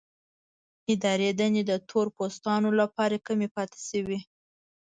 اداري دندې د تور پوستانو لپاره کمې پاتې شوې.